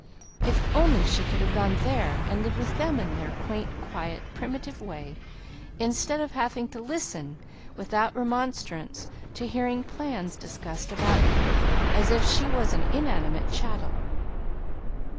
If she could only have gone there, and lived with them in their quaint, quiet, primitive way, instead of having to listen, without remonstrance, to hearing plans discussed about her, as if she was an inanimate chattel!